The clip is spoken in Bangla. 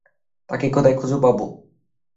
তাকে কোথায় খুঁজে পাবো?